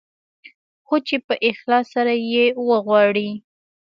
خو چې په اخلاص سره يې وغواړې.